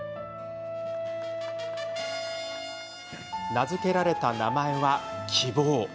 名付けられた名前は、きぼう。